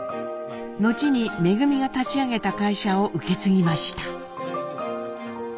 後に恩が立ち上げた会社を受け継ぎました。